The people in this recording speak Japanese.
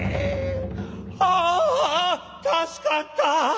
「あ助かった。